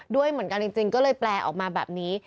ด้วยเหมือนกันจริงก็เลยแปลออกมาแบบนี้